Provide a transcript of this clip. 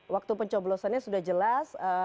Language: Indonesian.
waktu pencoblosannya sudah jelas